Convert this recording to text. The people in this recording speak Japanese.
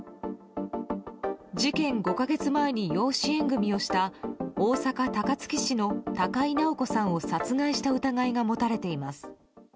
事件５か月前に養子縁組をした大阪・高槻市の高井直子さんを殺害した疑いが持たれています。